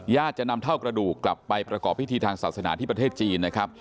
จะนำเท่ากระดูกกลับไปประกอบพิธีทางศาสนาที่ประเทศจีนนะครับ